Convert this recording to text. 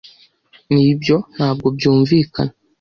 Nibyo ntabwo byumvikana.